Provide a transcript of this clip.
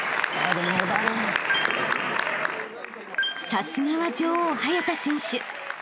［さすがは女王早田選手］